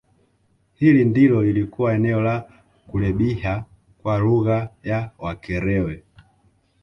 Hili ndilo lilikuwa eneo la Kulebhiya kwa lugha ya Wakerewe